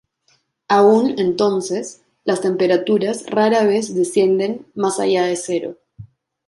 Aún entonces, las temperaturas rara vez descienden más allá de cero.